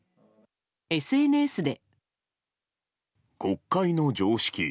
ＳＮＳで。